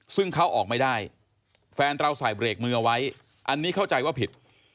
ซึ่งเขาออกไม่ได้แฟนเราใส่เบรกมือเอาไว้อันนี้เข้าใจว่าผิด